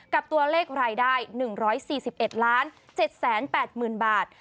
กับตัวเลขรายได้๑๔๑๗๘๐๐๐บาท